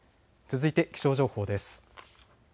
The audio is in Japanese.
続いて気象情報です。